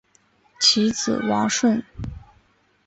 其子王舜。